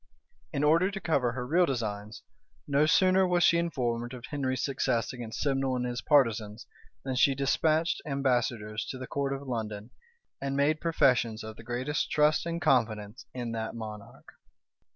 In order to cover her real designs, no sooner was she informed of Henry's success against Simnel and his partisans, than she despatched ambassadors to the court of London, and made professions of the greatest trust and confidence in that monarch.